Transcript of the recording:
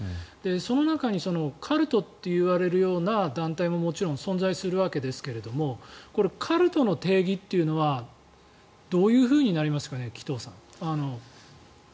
その中にカルトって言われるような団体ももちろん存在するわけですがこれ、カルトの定義というのはどういうふうになりますかね紀藤さん。